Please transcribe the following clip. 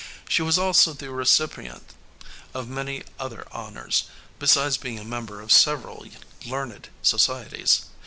She was also the recipient of many other honors, besides being a member of several learned societies.